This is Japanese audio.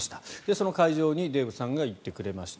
その会場にデーブさんが行ってくれました。